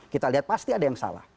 kita lihat pasti ada yang salah